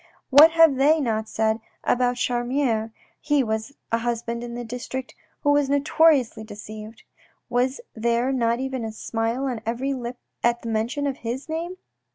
What have they not said about Charmier (he was a husband in the district who was notoriously deceived ?) Was there not a smile on every lip at the mention of his name